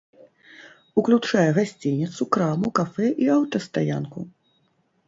Уключае гасцініцу, краму, кафэ і аўтастаянку.